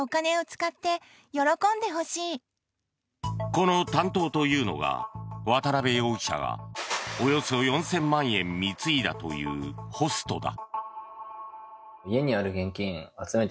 この担当というのが渡邊容疑者がおよそ４０００万円貢いだというホストだ。